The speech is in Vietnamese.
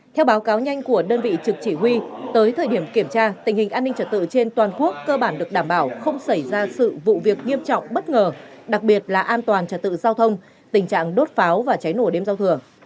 theo báo cáo nhanh của đơn vị trực chỉ huy tới thời điểm kiểm tra tình hình an ninh trật tự trên toàn quốc cơ bản được đảm bảo không xảy ra sự vụ việc nghiêm trọng bất ngờ đặc biệt là an toàn trật tự giao thông tình trạng đốt pháo và cháy nổ đêm giao thừa